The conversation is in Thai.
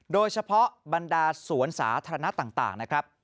บรรดาสวนสาธารณะต่างนะครับ